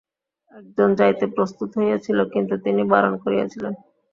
একজন যাইতে প্রস্তুত হইয়াছিল, কিন্তু তিনি বারণ করিয়াছিলেন।